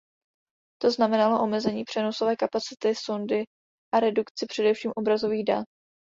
To znamenalo omezení přenosové kapacity sondy a redukci především obrazových dat.